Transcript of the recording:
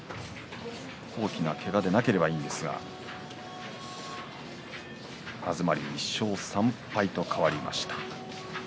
大きなけがでなければいいんですが東龍、１勝３敗と変わりました。